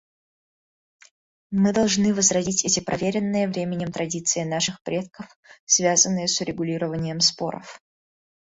Мы должны возродить эти проверенные временем традиции наших предков, связанные с урегулированием споров.